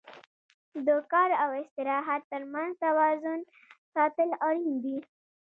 د کار او استراحت تر منځ توازن ساتل اړین دي.